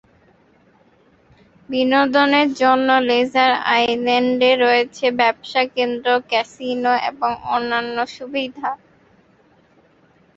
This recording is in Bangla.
বিনোদনের জন্য লেজার আইল্যান্ডে রয়েছে ব্যবসা কেন্দ্র, ক্যাসিনো এবং অন্যান্য সুবিধা।